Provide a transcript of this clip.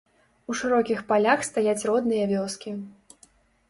У шырокіх палях стаяць родныя вёскі.